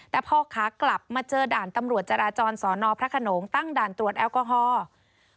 แต่พอขากลับมาเจอด่านตำรวจจราจรสอนอพระขนงตั้งด่านตรวจแอลกอฮอล์